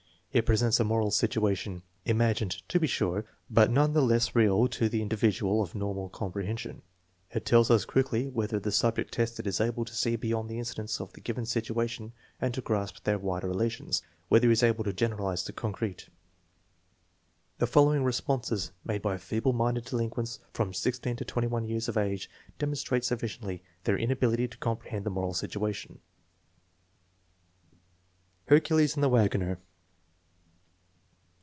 It presents a moral situation, imagined, to be sure, but none the less real to the individual of normal comprehension. It tells us quickly whether the subject tested is able to see beyond the incidents of the given situation and to grasp their wider relations whether he is able to generalize the concrete. The following responses made by feeble minded delin quents from 16 to 21 years of age demonstrate sufficiently their inability to comprehend the moral situation: Hercules and the Wagoner.